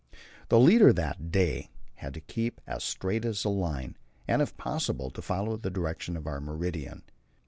The leader that day had to keep as straight as a line, and if possible to follow the direction of our meridian.